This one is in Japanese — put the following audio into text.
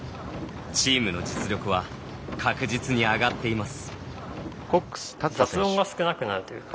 チームの実力は確実に上がっています。